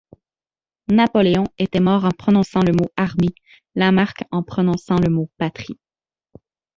Napoléon était mort en prononçant le mot armée, Lamarque en prononçant le mot patrie.